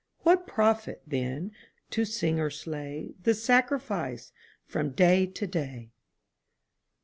What profit, then, to sing or slay The sacrifice from day to day?